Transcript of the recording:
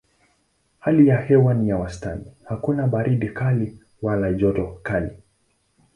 Hali ya hewa ni ya wastani: hakuna baridi kali wala joto kali.